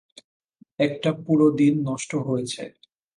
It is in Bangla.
একটা পুরো দিন নষ্ট হয়েছে।